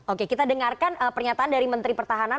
oke kita dengarkan pernyataan dari menteri pertahanan